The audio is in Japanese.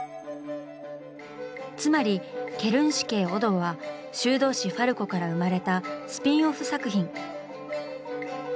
つまり「ケルン市警オド」は「修道士ファルコ」から生まれたスピンオフ作品。